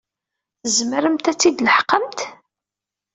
Tzemremt ad t-id-leḥqemt?